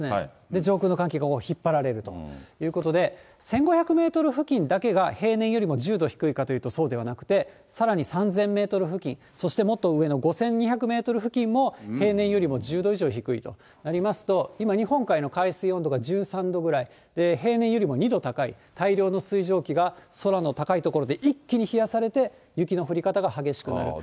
上空の寒気が引っ張られるということで、１５００メートル付近だけが、平年よりも１０度低いかというと、そうではなくて、さらに３０００メートル付近、そしてもっと上の５２００メートル付近も平年よりも１０度以上低いとなりますと、今、日本海の海水温度が１３度ぐらい、平年よりも２度高い、大量の水蒸気が、空の高い所で一気に冷やされて、雪の降り方が激しくなると。